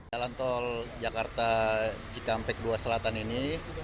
jalan tol jakarta cikampek dua selatan ini